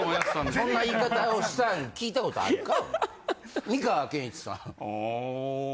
そんな言い方をしたん聞いたことあるか？